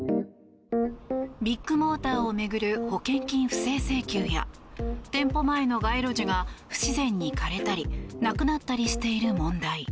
ビッグモーターを巡る保険金不正請求や店舗前の街路樹が不自然に枯れたりなくなったりしている問題。